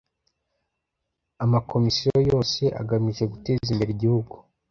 amakomisiyo yose agamije guteza imbere igihugu